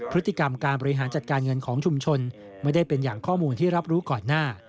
พฤติกรรมการบริหารจัดการเงินของชุมชนไม่ได้เป็นอย่างข้อมูลที่รับรู้ก่อนหน้า